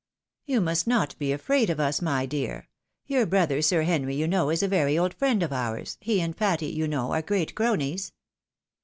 You must not be afraid of us, my dear — your brother. Sir Henry, you know, is a very old friend of ours, he and Patty, you know, are great cronies.